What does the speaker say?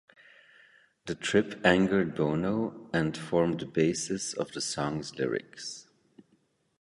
The trip angered Bono and formed the basis of the song's lyrics.